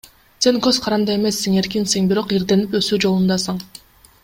Сен көз каранды эмессиң, эркинсиң, бирок ирденип, өсүү жолундасың.